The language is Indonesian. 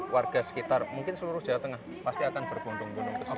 warga sekitar mungkin seluruh jawa tengah pasti akan berbondong bondong ke sini